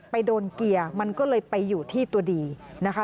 ไปโดนเกียร์มันก็เลยไปอยู่ที่ตัวดีนะคะ